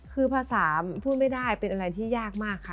คือภาษาพูดไม่ได้เป็นอะไรที่ยากมากค่ะ